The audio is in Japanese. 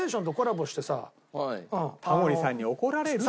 タモリさんに怒られるって。